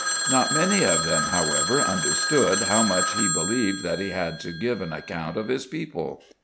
Not many of them, however, understood how much he believed that he had to give an account of his people.